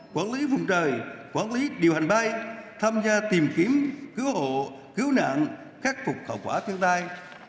quản lý vùng trời quản lý điều hành bay tham gia tìm kiếm cứu hộ cứu nạn khắc phục hậu quả thiên tai